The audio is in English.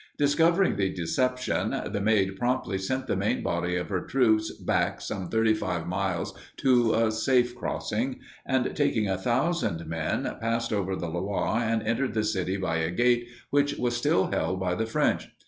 Discovering the deception, the Maid promptly sent the main body of her troops back some thirty five miles to a safe crossing, and, taking a thousand men, passed over the Loire and entered the city by a gate which was still held by the French.